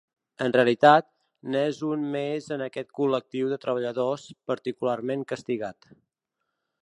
En realitat, n’és un més en aquest col·lectiu de treballadors, particularment castigat.